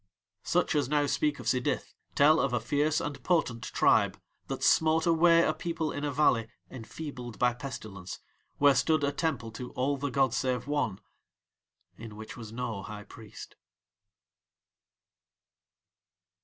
Such as now speak of Sidith tell of a fierce and potent tribe that smote away a people in a valley enfeebled by pestilence, where stood a temple to "All the gods save One" in which was no high priest.